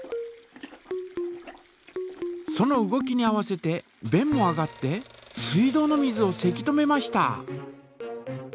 その動きに合わせてべんも上がって水道の水をせき止めました！